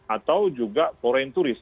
atau juga foreign turis